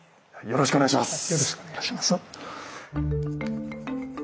よろしくお願いします。